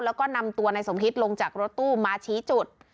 แล้วก็นำตัวนายสมฮิตลงจากรถตู้มาชี้จุด